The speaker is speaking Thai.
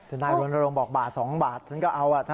ทนายโรนโรงบอกบาท๒บาทฉันก็เอาอ่ะ